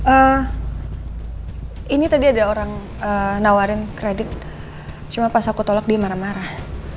eh ini tadi ada orang nawarin kredit cuma pas aku tolak dia marah marah